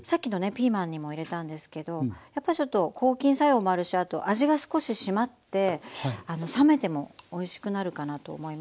ピーマンにも入れたんですけどやっぱちょっと抗菌作用もあるしあと味が少ししまって冷めてもおいしくなるかなと思いますので。